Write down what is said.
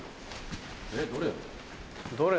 えっどれ？